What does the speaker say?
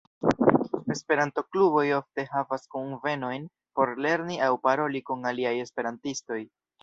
Esperanto-kluboj ofte havas kunvenojn por lerni aŭ paroli kun aliaj esperantistoj.